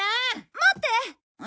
待って！